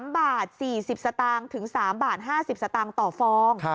๓๔๐บาทถึง๓๕๐บาทต่อฟอง